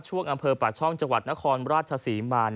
ช่วงอำเภอปะช่องจังหวัดนครราชสีมาน